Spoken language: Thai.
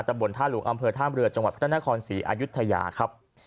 บนท่าหลวงอำเภอท่ามเรือจังหวัดพระนครศรีอายุทยาครับ